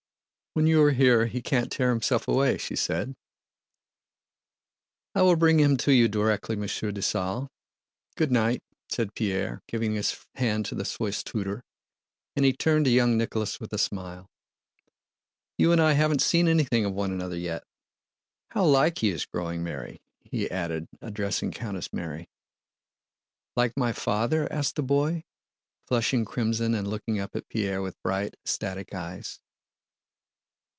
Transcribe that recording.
"When you are here he can't tear himself away," she said. "I will bring him to you directly, Monsieur Dessalles. Good night!" said Pierre, giving his hand to the Swiss tutor, and he turned to young Nicholas with a smile. "You and I haven't seen anything of one another yet.... How like he is growing, Mary!" he added, addressing Countess Mary. "Like my father?" asked the boy, flushing crimson and looking up at Pierre with bright, ecstatic eyes.